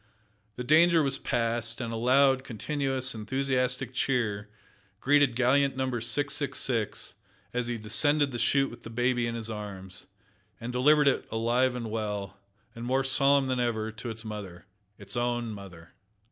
The danger was past, and a loud, continuous, enthusiastic cheer greeted gallant Number 666 as he descended the chute with the baby in his arms, and delivered it alive and well, and more solemn than ever, to its mother its own mother!